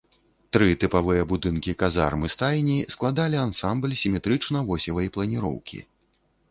Тры тыпавыя будынкі казарм і стайні складалі ансамбль сіметрычна-восевай планіроўкі.